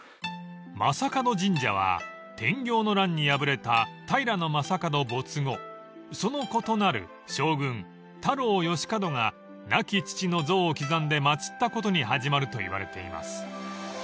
［将門神社は天慶の乱に敗れた平将門没後その子となる将軍太郎良門が亡き父の像を刻んで祭ったことに始まるといわれています］